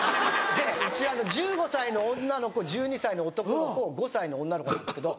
でうち１５歳の女の子１２歳の男の子５歳の女の子なんですけど。